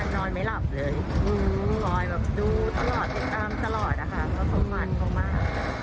นอนดูตลอดติดตามตลอดค่ะเพราะทุกวันก็มาก